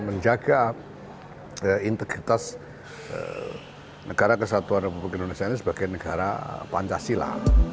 sehingga integritas negara kesatuan republik indonesia sebagai negara pancasila